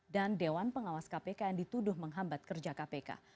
dan dewan pengawas kpk yang dituduh menghambat kerja kpk